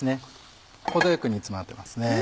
程よく煮詰まってますね。